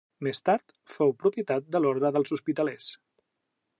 Més tard fou propietat de l'orde dels hospitalers.